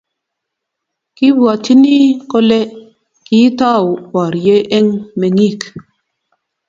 kibwotyini kole kiitou borye eng' meng'ik